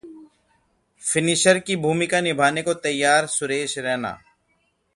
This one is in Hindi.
फिनिशर की भूमिका निभाने को तैयार सुरेश रैना